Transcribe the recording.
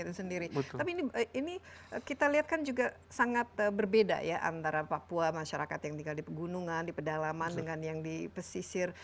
tapi ini kita lihat kan juga sangat berbeda ya antara papua masyarakat yang tinggal di pegunungan di pedalaman dengan yang di pesisir